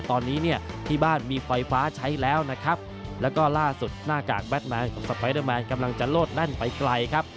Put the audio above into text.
ตอนนี้เนี่ยที่บ้านมีไฟฟ้าใช้แล้วนะครับแล้วก็ล่าสุดหน้ากากแดดแมนของสไปเดอร์แมนกำลังจะโลดแล่นไปไกลครับ